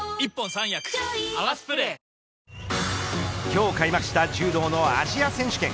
今日開幕した柔道のアジア選手権。